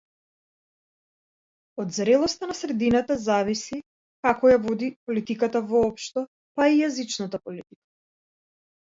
Од зрелоста на средината зависи како ја води политиката воопшто, па и јазичната политика.